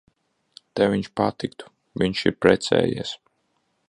Tev viņš patiktu. Viņš ir precējies.